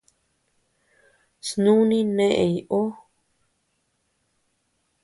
Snúni neʼeñ ú.